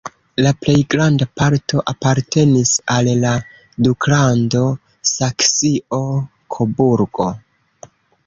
La plej granda parto apartenis al la duklando Saksio-Koburgo.